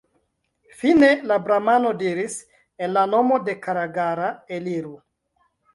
Fine la bramano diris: « En la nomo de Karagara, eliru!